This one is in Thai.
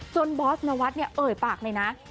บอสนวัฒน์เนี่ยเอ่ยปากเลยนะ